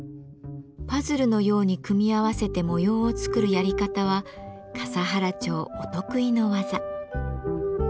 パズルのように組み合わせて模様を作るやり方は笠原町お得意の技。